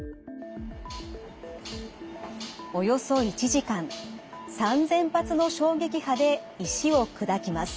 およそ１時間３，０００発の衝撃波で石を砕きます。